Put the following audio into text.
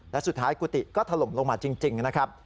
และสุดท้ายกุฏิก็ถล่มลงมาจริงนะครับ